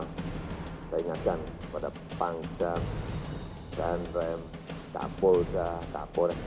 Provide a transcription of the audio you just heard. saya ingatkan pada pangdam jandrem kapolda kapolet